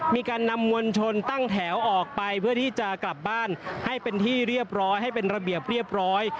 มีการนำมวลชนตั้งแถวออกไปเพื่อที่จะกลับบ้านให้เป็นที่เรียบร้อยให้เป็นระเบียบเรียบร้อย